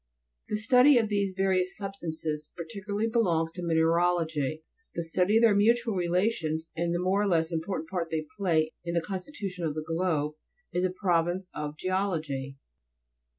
The study of these vari ous substances, particularly, belongs to Mineralogy ; the study of their mutual relations and the more or less important part they play in the constitution of the globe, is the province of Geology.